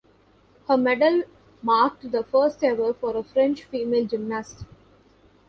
Her medal marked the first ever for a French female gymnast.